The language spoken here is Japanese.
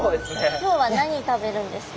今日は何食べるんですか？